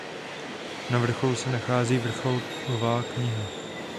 Na vrcholu se nachází vrcholová kniha.